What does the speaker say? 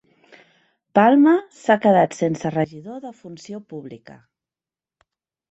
Palma s'ha quedat sense regidor de Funció Pública